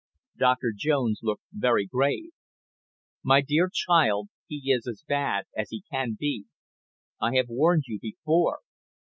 Doctor Jones looked very grave. "My dear child, he is as bad as he can be. I have warned you before.